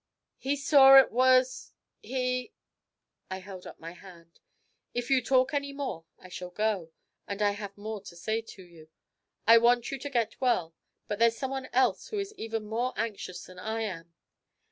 He saw it was he ' I held up my hand. 'If you talk any more I shall go; and I have more to say to you. I want you to get well, and there's someone else who is even more anxious than I am.